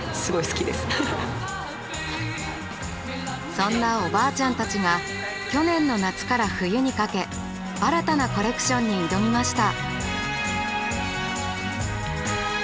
そんなおばあちゃんたちが去年の夏から冬にかけ新たなコレクションに挑みました。